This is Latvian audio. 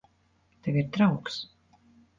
Tev ir draugs.